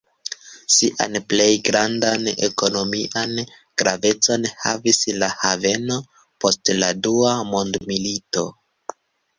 Sian plej grandan ekonomian gravecon havis la haveno post la Dua Mondmilito.